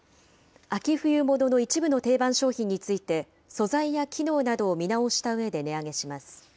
秋・冬物の一部の定番商品について、素材や機能などを見直したうえで値上げします。